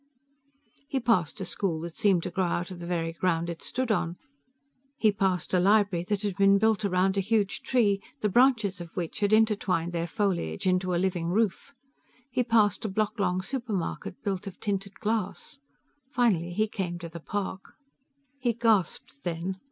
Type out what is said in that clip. He passed a school that seemed to grow out of the very ground it stood on. He passed a library that had been built around a huge tree, the branches of which had intertwined their foliage into a living roof. He passed a block long supermarket built of tinted glass. Finally he came to the park. He gasped then.